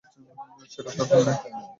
সেটার দরকার নাই।